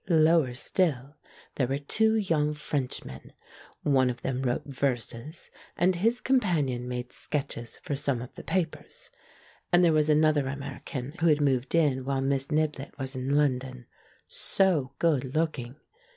Lower still there were two young French THE PRINCE IN THE FAIRY TALE 205 men; one of them wrote verses, and his compan ion made sketches for some of the papers. And — there was another American, who had moved in while Miss Niblett was in London. So good looking